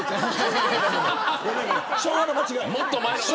昭和の間違い。